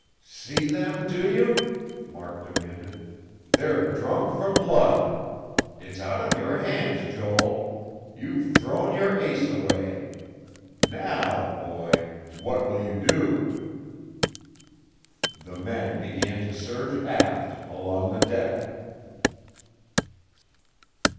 "See them, do you?" Mark demanded. "They're drunk for blood. It's out of your hands, Joel. You've thrown your ace away. Now, boy what will you do?" The men began to surge aft, along the deck.